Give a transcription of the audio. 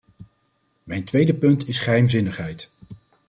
Mijn tweede punt is geheimzinnigheid.